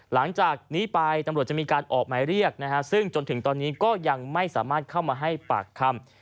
หลังจากนี้ไปตำรวจจะมีการออกหมายเรียกนะฮะซึ่งจนถึงตอนนี้ก็ยังไม่สามารถเข้ามาให้ปากคำ